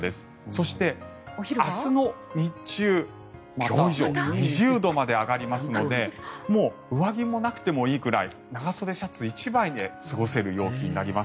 そして、明日の日中、今日以上２０度まで上がりますのでもう上着もなくてもいいくらい長袖シャツ１枚で過ごせる陽気になります。